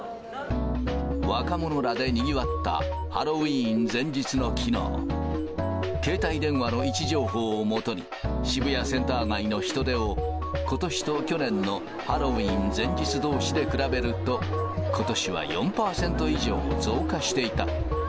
若者らでにぎわったハロウィーン前日のきのう、携帯電話の位置情報を基に、渋谷センター街の人出を、ことしと去年のハロウィーン前日どうしで比べると、ことしは４％以上増加していた。